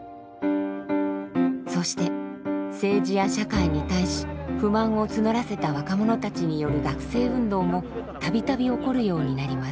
そして政治や社会に対し不満を募らせた若者たちによる学生運動もたびたび起こるようになります。